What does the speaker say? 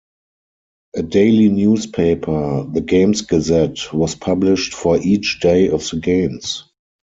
A daily newspaper, the Games Gazette was published for each day of the games.